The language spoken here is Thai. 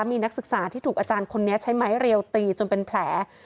มีนักศึกษาที่ถูกอาจารย์คนนี้ใช้ไม้เรียวตีจนเป็นแผล